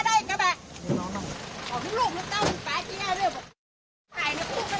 ทุกคนมองใส่นะ